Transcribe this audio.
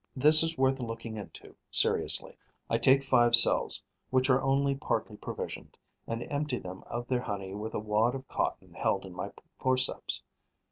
This is worth looking into seriously. I take five cells, which are only partly provisioned, and empty them of their honey with a wad of cotton held in my forceps.